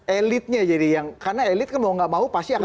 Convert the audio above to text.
elitnya jadi yang karena elit kan mau gak mau pasti akan